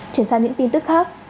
chuyển sang những tin tức khác